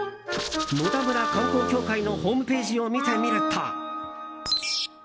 野田村観光協会のホームページを見てみると。